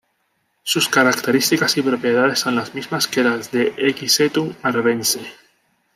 Sus características y propiedades son las mismas que las de "Equisetum arvense".